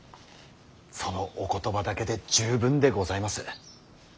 そのお言葉だけで十分でございます。